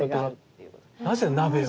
なぜ鍋を？